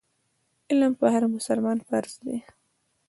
علم پر هر مسلمان فرض دی.